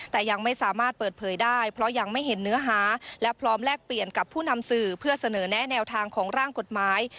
แต่ยังไม่สามารถเปิดเผยได้เพราะยังไม่เห็นเนื้อหาและพร้อมแลกเปลี่ยนกับผู้นำสื่อเพื่อเสนอแนะแนวทางของร่างกฎหมาย